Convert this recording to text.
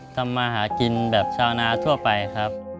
ทำมาหากินแบบชาวนาทั่วไปครับ